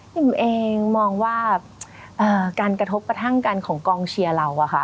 หนูเองมองว่าการกระทบกระทั่งกันของกองเชียร์เราอะค่ะ